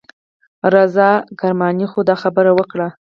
رضا کرماني خو دا خبره وکړه.